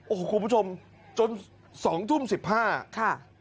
โอ้โหคุณผู้ชมจน๒ทุ่ม๑๕ค่ะ